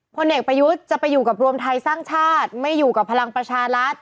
พลเอกประยุทธ์จะไปอยู่กับรวมไทยสร้างชาติไม่อยู่กับพลังประชารัฐ